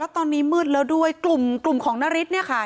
แล้วตอนนี้มืดแล้วด้วยกลุ่มของนริฐเนี่ยค่ะ